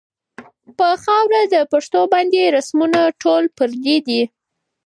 پۀ خاؤره د پښتون باندې رسمونه ټول پردي دي